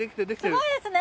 ごいですね！